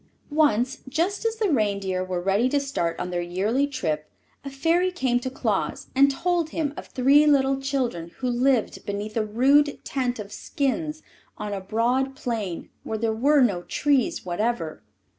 Once, just as the reindeer were ready to start on their yearly trip, a Fairy came to Claus and told him of three little children who lived beneath a rude tent of skins on a broad plain where there were no trees whatever.